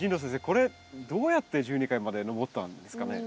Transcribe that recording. これどうやって１２階まで上ったんですかね？